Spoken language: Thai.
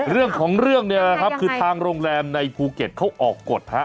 เรื่องของเรื่องเนี่ยนะครับคือทางโรงแรมในภูเก็ตเขาออกกฎฮะ